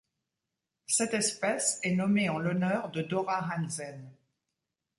Cette espèce est nommée en l'honneur de Dora Hansen.